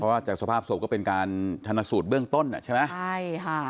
ว่าจากสภาพศพก็เป็นการทันสูตรเบื้องต้นอ่ะใช่ไหมใช่ค่ะ